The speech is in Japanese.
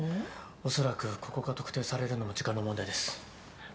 恐らくここが特定されるのも時間の問題です。